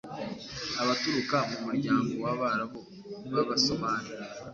abaturuka mu muryango w’Abarabu b’Abasomali